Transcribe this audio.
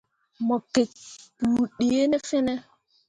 Mo gikki kpu dee ne fene.